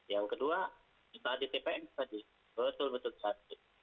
yang kedua kita ada tpm tadi itu betul betul satu